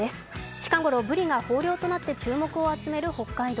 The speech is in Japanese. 近ごろぶりが豊漁となって注目を集める北海道。